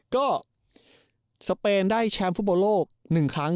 ก็สเปนได้แชมพุทธประโยชน์ฟุตบอลโลก๑ครั้ง